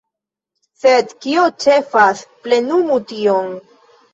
Sed kio ĉefas – plenumu tion.